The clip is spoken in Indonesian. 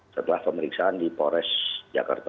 setelah pemeriksaan di polres jakarta